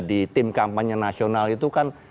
di tim kampanye nasional itu kan